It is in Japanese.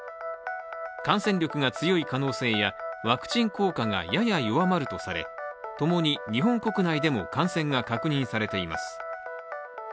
感染力が強い可能性やワクチン効果がやや弱まるとされ、ともに日本国内でも感染が確認されています。